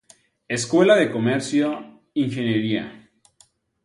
Esc. De Comercio “Ing.